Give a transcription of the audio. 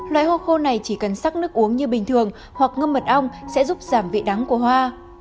loại hô khô này chỉ cần sắc nước uống như bình thường hoặc ngâm mật ong sẽ giúp giảm vị đắng của hoa